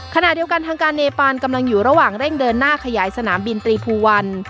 ขณะเดียวกันทางการเนปานกำลังอยู่ระหว่างเร่งเดินหน้าขยายสนามบินตรีภูวัน